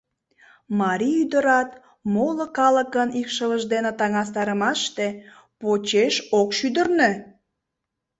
Марий ӱдырат, моло калыкын икшывыж дене таҥастарымаште, почеш ок шӱдырнӧ.